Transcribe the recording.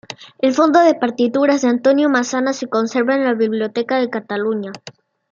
El fondo de partituras de Antonio Massana se conserva en la Biblioteca de Cataluña.